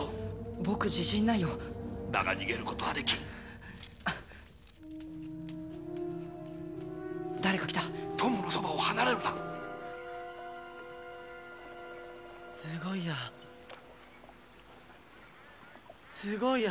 僕自信ないよだが逃げることはできん誰か来た友のそばを離れるなすごいやすごいや！